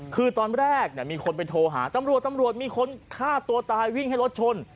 คือตอนแรกมีคนไปโทรหาตำรวจตำรวจมีคนฆ่าตัวตายวิ่งให้รถชน